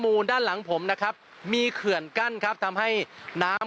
ด้านหลังผมนะครับมีเขื่อนกั้นครับทำให้น้ำ